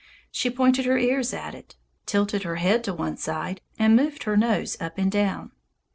She pointed her ears at it; tilted her head to one side and moved her nose up and down.